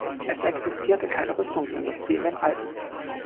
Es existierte keine Rüstungsindustrie in den Alpen.